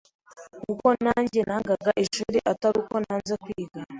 kuko najye nangaga ishuri Atari uko nanze kwiga,